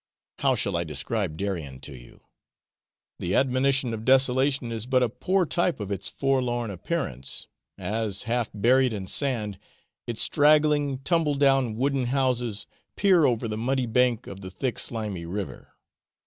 How shall I describe Darien to you? The abomination of desolation is but a poor type of its forlorn appearance, as, half buried in sand, its straggling, tumble down wooden houses peer over the muddy bank of the thick slimy river.